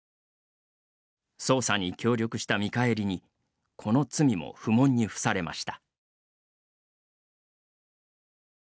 捜査に協力した見返りにこの罪も不問に付されました。